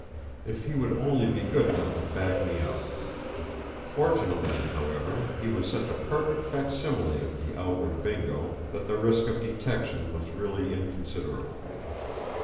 If he would only be good enough to back me up! Fortunately, however, he was such a perfect facsimile of the outward Bingo that the risk of detection was really inconsiderable.